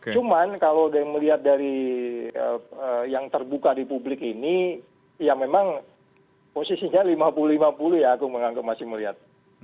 cuman kalau melihat dari yang terbuka di publik ini ya memang posisinya lima puluh lima puluh ya aku menganggap masih melihat